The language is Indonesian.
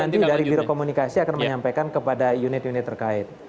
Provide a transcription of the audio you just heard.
nanti dari biro komunikasi akan menyampaikan kepada unit unit terkait